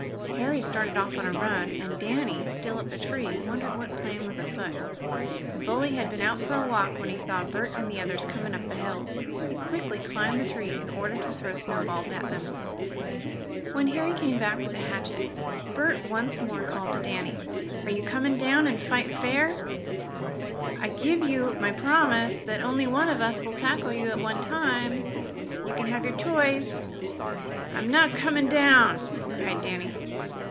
Harry started off on a run, and Danny, still up the tree, wondered what plan was afoot. The bully had been out for a walk when he saw Bert and the others coming up the hill. He quickly climbed the tree in order to throw snowballs at them. When Harry came back with the hatchet Bert once more called to Danny. "Are you coming down and fight fair? I give you my promise that only one of us will tackle you at a time. You can have your choice." "I'm not coming down!" cried Danny.